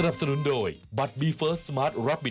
โปรดติดตามตอนต่อไป